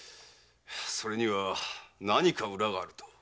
それには何か裏があると。